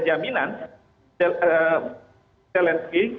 jalan jalan tengah